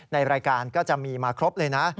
ในรายการก็จะมีมาครบเลยนะ